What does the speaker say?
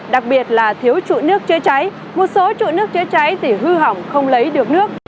đặc biệt là thiếu trụ nước chữa cháy một số trụ nước chữa cháy thì hư hỏng không lấy được nước